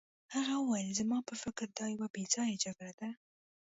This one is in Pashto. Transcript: هغه وویل زما په فکر دا یوه بې ځایه جګړه ده.